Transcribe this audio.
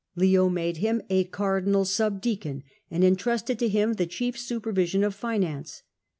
Leo made him a cardinal sub ; deacon, and entrusted to him the chief supervision of finance.